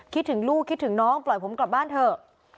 คิดถึงลูกคิดถึงน้องปล่อยผมกลับบ้านเถอะ